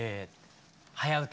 「はやウタ」